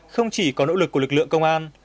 không chỉ có nỗ lực của lực lượng công an